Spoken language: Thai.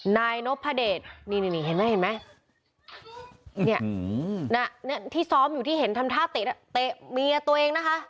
นายนพเดชนี่นี่เห็นไหมเห็นไหมเนี่ยที่ซ้อมอยู่ที่เห็นทำท่าเตะเมียตัวเองนะคะ